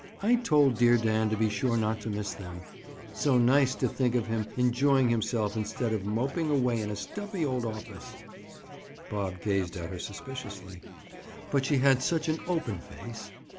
I told dear Dan to be sure not to miss them. So nice to think of him enjoying himself instead of moping away in a stuffy old office." Bob gazed at her suspiciously. But she had such an open face!